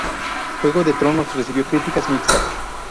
Juego de Tronos recibió críticas mixtas.